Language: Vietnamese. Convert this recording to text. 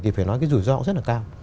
thì phải nói cái rủi ro rất là cao